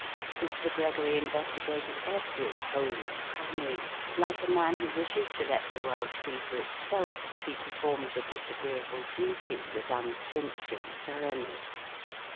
Mr. Gregory investigated every hole and cranny, like a man who wishes to let the world see for itself he performs a disagreeable duty with unflinching thoroughness.